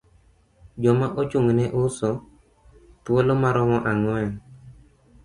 Joma ochung' ne uso, thuolo maromo ang'wen.